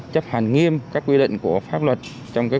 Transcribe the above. chấp hỏi hỏi hỏi hỏi